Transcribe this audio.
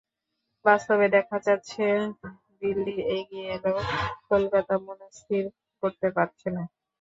বাস্তবে দেখা যাচ্ছে, দিল্লি এগিয়ে এলেও কলকাতা মনস্থির করতে পারছে না।